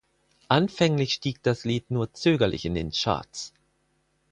Anfänglich stieg das Lied nur zögerlich in den Charts.